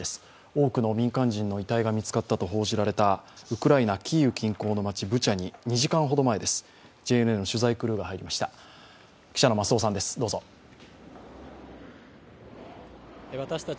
多くの民間人の遺体が見つかったと報じられたウクライナキーウ近郊近くの街、ブチャに２時間ほど前、ＪＮＮの取材クルーが入りました。